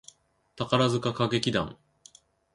宝塚歌劇団